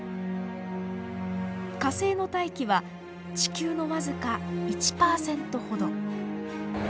火星の大気は地球の僅か１％ほど。